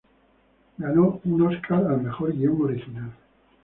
Ganó un Oscar al mejor guion original.